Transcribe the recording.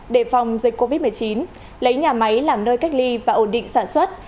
đề phòng dịch covid một mươi chín lấy nhà máy làm nơi cách ly và ổn định sản xuất